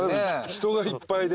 人がいっぱいで。